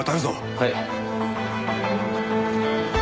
はい。